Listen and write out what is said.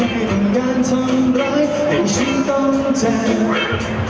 ทำงานทำร้ายให้ฉันต้องจัด